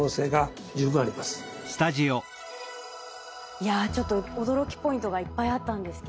いやちょっと驚きポイントがいっぱいあったんですけど。